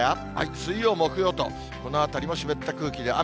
水曜、木曜と、このあたりも湿った空気で雨。